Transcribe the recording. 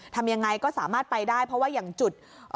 ทำยังไงก็สามารถไปได้เพราะว่าอย่างจุด